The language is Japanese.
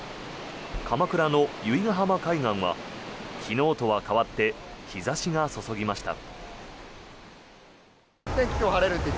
鎌倉の由比ガ浜海岸は昨日とは変わって日差しが注ぎました。